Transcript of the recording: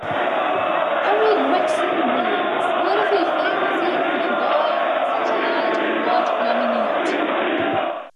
Harry Gregson-Williams wurde für die Filmmusik für den Golden Satellite Award nominiert.